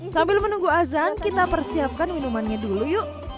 sambil menunggu azan kita persiapkan minumannya dulu yuk